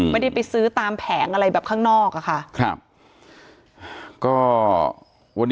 ไม่ได้ไปซื้อตามแผงอะไรแบบข้างนอกอะค่ะครับ